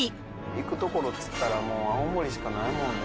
行くところっていったらもう青森しかないもんね。